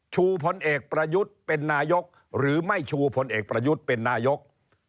พลเอกประยุทธ์เป็นนายกหรือไม่ชูพลเอกประยุทธ์เป็นนายก